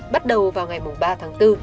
bắt đầu vào ngày ba tháng bốn